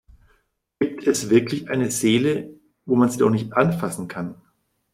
Gibt es wirklich eine Seele, wo man sie doch nicht anfassen kann?